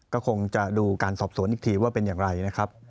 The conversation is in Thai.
ก็คงจะดูการสอบสวนอีกทีว่าเป็นอย่างไรนะครับ